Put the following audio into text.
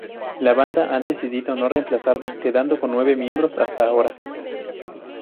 La banda ha decidido no reemplazarlo, quedando con nueve miembros hasta ahora.